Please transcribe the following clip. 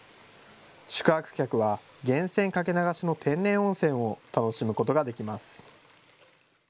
宿泊客は源泉かけ流しの天然温泉を楽しむことができます。